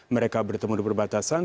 mereka bertemu di perbatasan